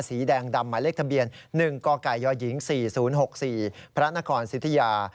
สีแดงดำหมายเลขทะเบียน๑กกยหญิง๔๐๖๔พระนครสิทธิยา